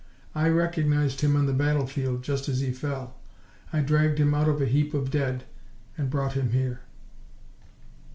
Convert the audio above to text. I recognised him on the battle field just as he fell; I dragged him out of a heap of dead, and brought him here."